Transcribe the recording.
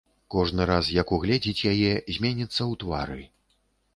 Кожны раз, як угледзіць яе, зменіцца ў твары.